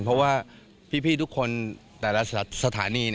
เพราะว่าพี่ทุกคนแต่ละสถานี